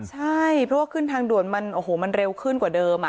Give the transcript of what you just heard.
ใช่เพราะว่าขึ้นทางด่วนมันโอ้โหมันเร็วขึ้นกว่าเดิม